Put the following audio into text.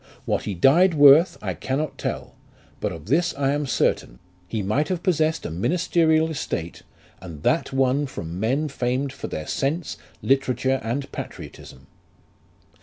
What he died worth I cannot tell, but of this I am certain, he might have possessed a ministerial estate, and that won from men famed for their sense, literature, and patriotism.